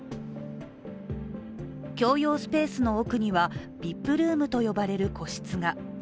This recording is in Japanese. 共用スペースの奥にはＶＩＰルームと呼ばれる個室が。